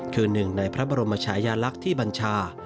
คือหนึ่งในพระบรมชายาลักษณ์ที่บัญชา